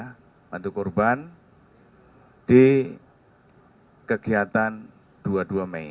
membantu korban di kegiatan dua puluh dua mei